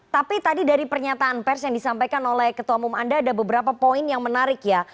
tapi tadi dari pernyataan pers yang disampaikan oleh ketua umum anda ada beberapa poin yang menarik ya